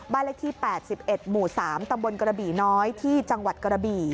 เลขที่๘๑หมู่๓ตำบลกระบี่น้อยที่จังหวัดกระบี่